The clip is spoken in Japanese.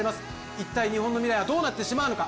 一体日本の未来はどうなってしまうのか